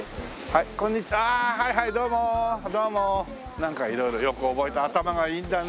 なんか色々よく覚えて頭がいいんだね。